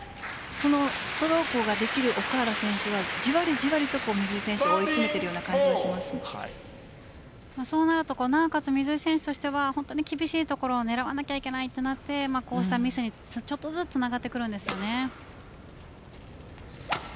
そのストロークができる奥原選手がじわりじわりと水井選手を追い詰めているようなそうなるとなおかつ水井選手は厳しいところを狙わなければいけないとなってこうしたミスにつながってくるんですね。